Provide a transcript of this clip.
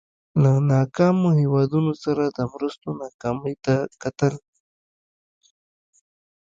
له ناکامو هېوادونو سره د مرستو ناکامۍ ته کتل.